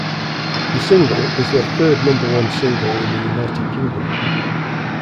The single is their third number one single in the United Kingdom.